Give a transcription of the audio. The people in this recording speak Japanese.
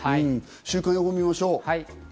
週間予報を見ましょう。